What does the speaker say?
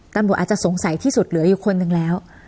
ตำรวจอาจจะสงสัยที่สุดเหลืออยู่คนหนึ่งแล้ว